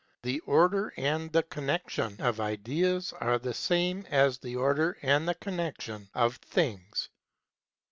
" The order and the connection of Ideas are the same as the order and the connection of Things."